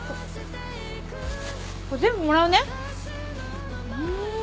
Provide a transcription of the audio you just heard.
これ全部もらうね。